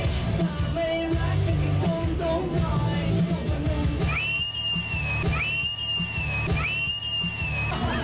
เธอไม่รักฉันกับคนตรงน้อย